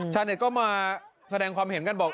เน็ตก็มาแสดงความเห็นกันบอก